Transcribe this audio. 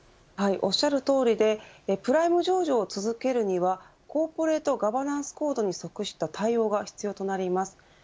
おっしゃるとおりでプライム市場に上場を続けるにはコーポレート・ガバナンスコードに即した対応が必要となります。